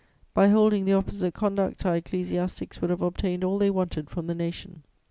By holding the opposite conduct, our ecclesiastics would have obtained all they wanted from the nation.